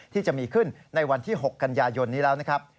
ที่จะมีขึ้นในวันที่๖กันยายนนี้แล้วนะครับ